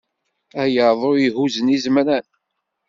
A yaḍu ihuzzen izemran.